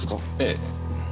ええ。